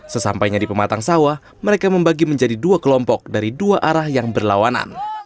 sesampainya di pematang sawah mereka membagi menjadi dua kelompok dari dua arah yang berlawanan